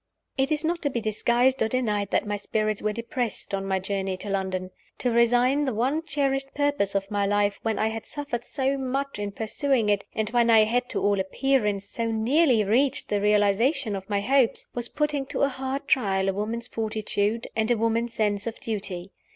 It is not to be disguised or denied that my spirits were depressed on my journey to London. To resign the one cherished purpose of my life, when I had suffered so much in pursuing it, and when I had (to all appearance) so nearly reached the realization of my hopes, was putting to a hard trial a woman's fortitude and a woman's sense of duty.